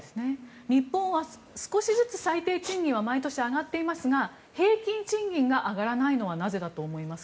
日本は少しずつ最低賃金は毎年上がっていますが平均賃金が上がらないのはなぜだと思いますか？